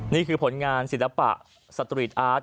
นี่คือผลงานศิลปะสตรีทอาร์ต